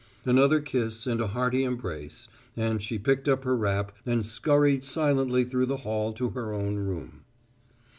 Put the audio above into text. Another kiss and a hearty embrace, and she picked up her wrap and skurried silently through the hall to her own room.